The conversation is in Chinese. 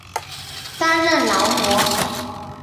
担任劳模。